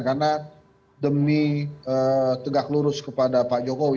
karena demi tegak lurus kepada pak jokowi